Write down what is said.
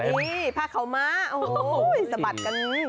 นี่พาเขามาโอ้โหสะบัดกัน